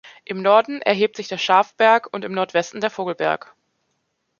Im Norden erhebt sich der Schafberg und im Nordwesten der Vogelberg.